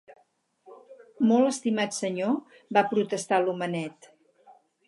"Molt estimat senyor", va protestar l'homenet.